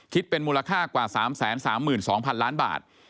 คิดเป็นมูลค่ากว่า๓๓๒๐๐๐ล้านบาท